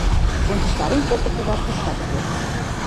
Вончыштарен колтышыжат иктат уке.